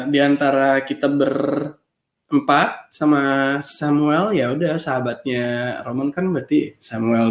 diantara kita berempat sama samuel yang udah sahabatnya roman kan berarti samuel